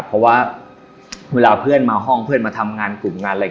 เพราะเวลาเพื่อนมาห้องทำงานกลุ่มงาน